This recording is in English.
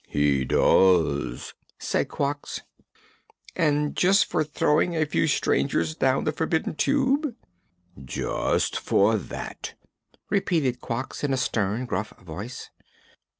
"He does," said Quox. "And just for throwing a few strangers down the Forbidden Tube?" "Just for that," repeated Quox in a stern, gruff voice.